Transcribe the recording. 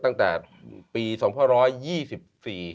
ตั้งแต่ปีสองพันร้อยยี่สิบสี่